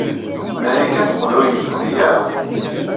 Marika teqqel ur iyi-tebɣi ara.